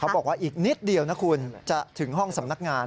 บอกว่าอีกนิดเดียวนะคุณจะถึงห้องสำนักงาน